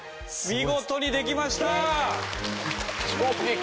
見事にできました。